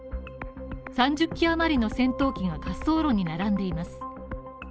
３０機あまりの戦闘機が滑走路に並んでいます。